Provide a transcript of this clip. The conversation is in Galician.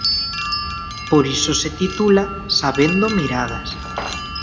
Por iso se titula "Sabendo miradas".